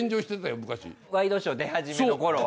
ワイドショー出始めの頃は？